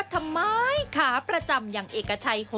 สมบัติสมบัติ